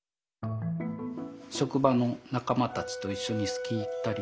職場の仲間たちと一緒にスキー行ったりとか。